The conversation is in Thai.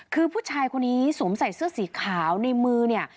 คือผู้ชายคนนี้สวมใส่เสื้อสีขาวในมือเนี่ย